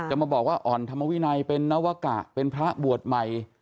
มาบอกว่าอ่อนธรรมวินัยเป็นนวกะเป็นพระบวชใหม่